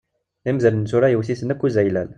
Imdanen tura yewt-iten akk uzaylal.